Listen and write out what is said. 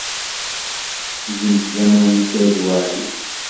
Tettgemt laman deg Saɛid Waɛli.